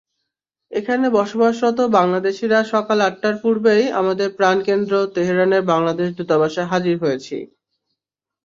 এখানে বসবাসরত বাংলাদেশিরা সকাল আটটার পূর্বেই আমাদের প্রাণকেন্দ্র তেহরানের বাংলাদেশ দূতাবাসে হাজির হয়েছি।